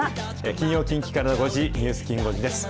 金曜、近畿からの５時、ニュースきん５時です。